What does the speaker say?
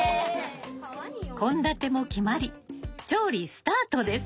献立も決まり調理スタートです。